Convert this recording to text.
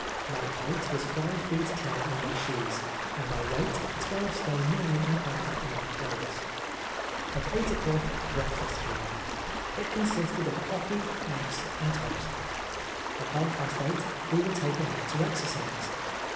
My height was five feet ten in my shoes, and my weight twelve stone nine and a half in my clothes. At eight o'clock breakfast came. It consisted of coffee, eggs and toast. At half past eight we were taken out to exercise.